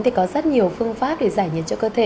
thì có rất nhiều phương pháp để giải nhiệt cho cơ thể